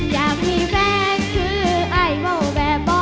อยากมีแฟนคือไอ้เบาแบบบ่